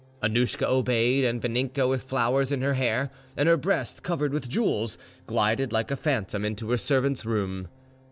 Annouschka obeyed; and Vaninka, with flowers in her hair and her breast covered with jewels, glided like a phantom into her servant's room.